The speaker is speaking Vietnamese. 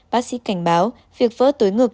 bác sĩ cảnh báo việc vỡ túi ngực